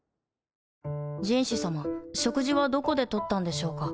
壬氏さま食事はどこで取ったんでしょうか？